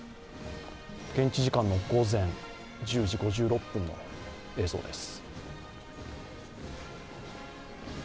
現地時間の午前１０時５６分の映像です。